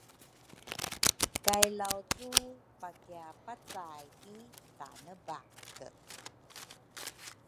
kay Laucu pakiapacay ki Tanebake.